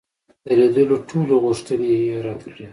د لیدلو ټولي غوښتني یې رد کړې.